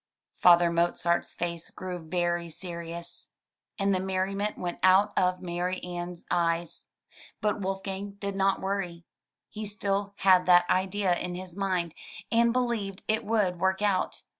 Father Mozart's face grew very serious, and the merriment ii4 THROUGH FAIRY HALLS went out of Marianne's eyes. But Wolfgang did not worry. He still had that idea in his mind, and believed it would work out.